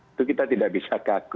itu kita tidak bisa kaku